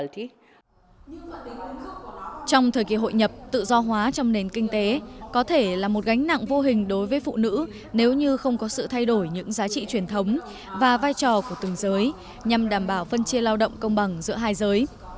trong thời kỳ hội nhập tự do hóa trong nền kinh tế có thể là một gánh nặng vô hình đối với phụ nữ nếu như không có sự thay đổi những giá trị truyền thống và vai trò của từng giới nhằm đảm bảo phân chia lao động công bằng giữa hai giới